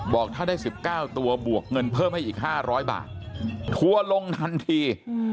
บอกถ้าได้สิบเก้าตัวบวกเงินเพิ่มให้อีกห้าร้อยบาททั่วลงทันที